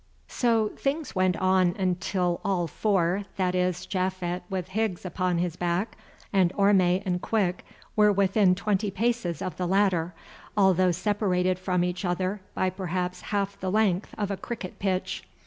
So things went on until all four, that is, Japhet with Higgs upon his back, and Orme and Quick, were within twenty paces of the ladder, although separated from each other by perhaps half the length of a cricket pitch.